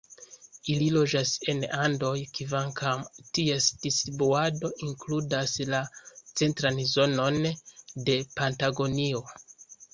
Ili loĝas en Andoj, kvankam ties distribuado inkludas la centran zonon de Patagonio.